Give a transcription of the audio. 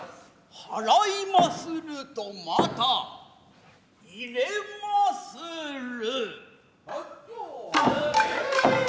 払いまするとまた入れまする。